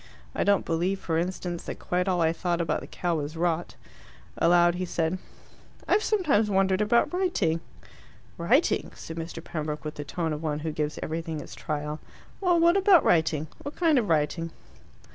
I don't believe, for instance, that quite all I thought about the cow was rot." Aloud he said, "I've sometimes wondered about writing." "Writing?" said Mr. Pembroke, with the tone of one who gives everything its trial. "Well, what about writing? What kind of writing?"